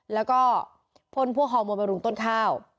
แล้วก็พ่นพวกฮอร์โมนบำรุงต้นข้าว